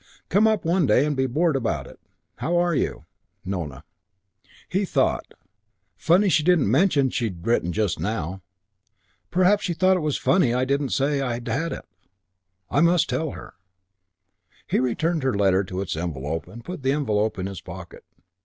Come up one day and be bored about it. How are you? Nona. He thought: "Funny she didn't mention she'd written just now. Perhaps she thought it was funny I didn't say I'd had it. I must tell her." He returned her letter to its envelope and put the envelope in his pocket.